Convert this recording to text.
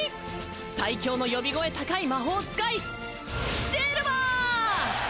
最強の呼び声高い魔法使いシルヴァ！